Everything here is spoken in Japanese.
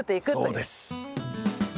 そうです。